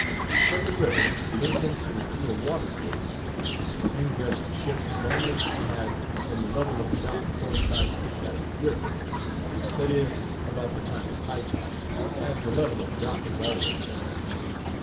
From the river, the entrance is through a water gate, and ingress to ships is only to be had, when the level of the dock coincides with that of the river; that is, about the time of high tide, as the level of the dock is always at that mark.